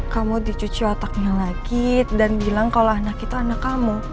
kamu dicuci otaknya lagi dan bilang kalau anak itu anak kamu